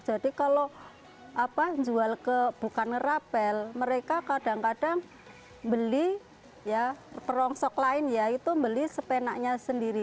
jadi kalau apa jual ke bukan rapel mereka kadang kadang beli ya perongsok lain ya itu beli sepenaknya sendiri